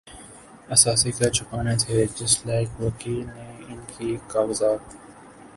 اثاثے کیا چھپانے تھے‘ جس لائق وکیل نے ان کے کاغذات